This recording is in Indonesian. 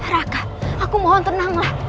raka aku mohon tenanglah